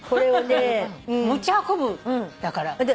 「持ち運ぶ」だから。